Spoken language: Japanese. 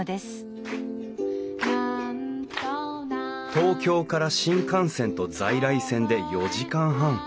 東京から新幹線と在来線で４時間半。